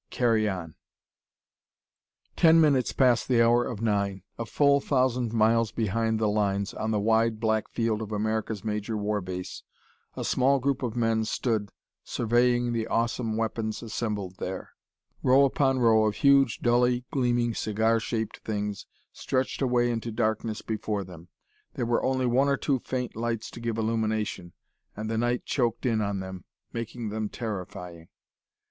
Carry on! Ten minutes past the hour of nine. A full thousand miles behind the lines, on the wide black field of America's major war base, a small group of men stood, surveying the awesome weapons assembled there. Row upon row of huge, dully gleaming cigar shaped things stretched away into the darkness before them. There were only one or two faint lights to give illumination, and the night choked in on them, making them terrifying.